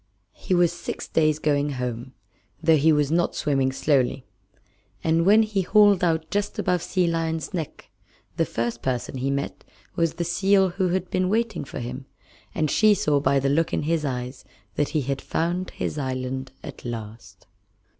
He was six days going home, though he was not swimming slowly; and when he hauled out just above Sea Lion's Neck the first person he met was the seal who had been waiting for him, and she saw by the look in his eyes that he had found his island at last.